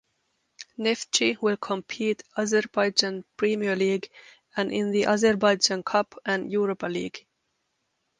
Neftchi will compete Azerbaijan Premier League and in the Azerbaijan Cup and Europa League.